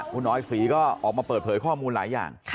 คุณออยศรีก็ออกมาเปิดเผยข้อมูลหลายอย่าง